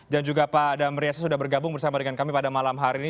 dan juga pak adam riasa sudah bergabung bersama dengan kami pada malam hari ini